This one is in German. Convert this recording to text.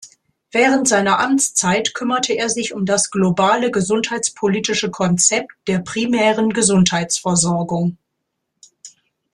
Während seiner Amtszeit kümmerte er sich um das globale gesundheitspolitische Konzept der primären Gesundheitsversorgung.